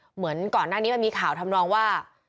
เหมือนก่อนหน้านี้มันมีข่าวทำนองว่า